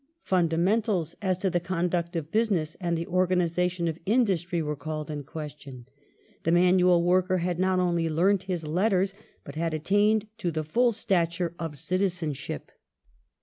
" Fundamentals " as to the conduct of business and the organization of industry were called in question. The manual worker had not only learnt his letters but had attained to the full stature of citizenship.